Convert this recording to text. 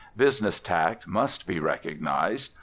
Business tact must be recognised.